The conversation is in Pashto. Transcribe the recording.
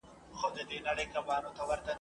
چي شرنګوي په خپله مېنه کي پردۍ زولنې ..